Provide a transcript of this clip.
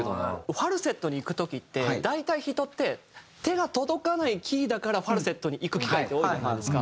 ファルセットにいく時って大体人って手が届かないキーだからファルセットにいく機会って多いじゃないですか。